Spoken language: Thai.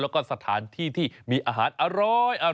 แล้วก็สถานที่ที่มีอาหารอร้อย